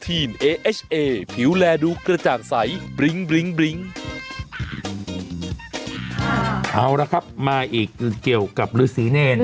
เอาละครับมาอีกเกี่ยวกับฤษีเนร